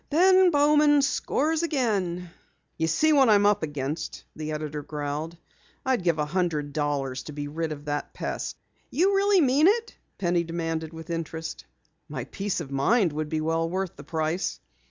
"Ben Bowman scores again." "You see what I'm up against," the editor growled. "I'd give a hundred dollars to be rid of that pest." "You really mean it?" Penny demanded with interest. "My peace of mind would be well worth the price."